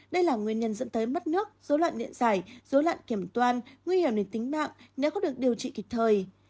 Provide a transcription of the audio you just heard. đây là nguyên nhân dẫn tới mất nước dấu loạn điện xảy dấu loạn kiểm toan nguy hiểm đến tính mạng nếu không được điều trị kịp thời